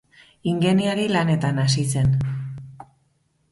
Ingeniari lanetan hasi zen.